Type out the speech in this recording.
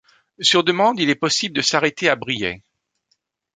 Sur demande, il est possible de s'arrêter à Briey.